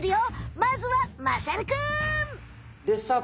まずはまさるくん。